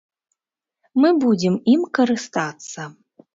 Мы будзем ім карыстацца.